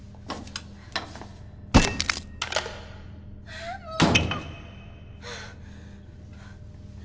ああもう！